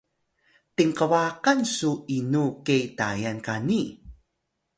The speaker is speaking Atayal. tinqbaqan su inu ke Tayal qani?